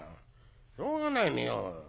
しょうがないね。